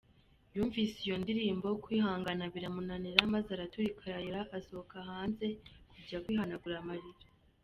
Yumvise iyo ndirimbo kwihaganga biramunanira maze araturika ararira asohoka hanze kujya kwihanagura amarira.